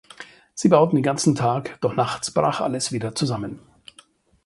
Sie bauten den ganzen Tag, doch nachts brach alles wieder zusammen.